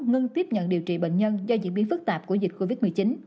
ngưng tiếp nhận điều trị bệnh nhân do diễn biến phức tạp của dịch covid một mươi chín